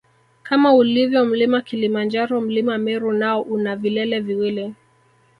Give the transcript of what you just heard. Kama ulivyo mlima Kilimanjaro mlima Meru nao una vilele viwili